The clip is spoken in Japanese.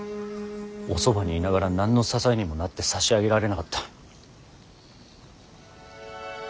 おそばにいながら何の支えにもなってさしあげられなかった。